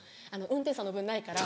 「運転手さんの分ないから」。